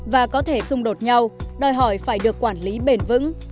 và có thể xung đột nhau đòi hỏi phải được quản lý bền vững